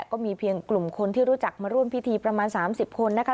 ก็มีเพียงกลุ่มคนที่รู้จักมาร่วมพิธีประมาณ๓๐คนนะคะ